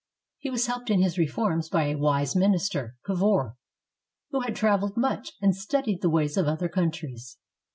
He was helped in his reforms by a wise minister, Cavour, who had traveled much and studied the ways of other countries.